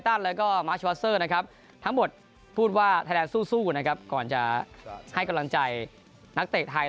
ทั้งหมดพูดว่าไทยแลนด์สู้ก่อนจะให้กำลังใจนักเตะไทย